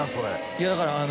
いやだからあの。